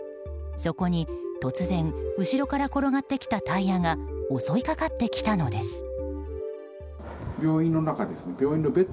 そこに、突然後ろから転がってきたタイヤが襲いかかってきたのです。